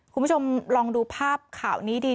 คุณผู้ชมลองดูภาพข่าวนี้ดี